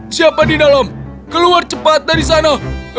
siapa di dalam keluar cepat dari sana